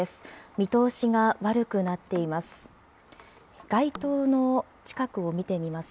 見通しが悪くなっています。